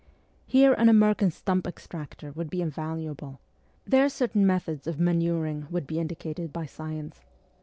Here an American stump extractor would be invaluable ; there certain methods of manuring would be indicated by science.